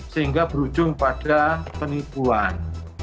sehingga berujung pada penipuan